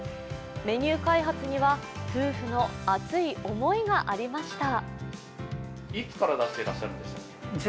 メニュー開発には夫婦の熱い思いがありました。